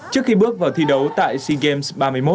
trước khi bước vào thi đấu tại sea games ba mươi một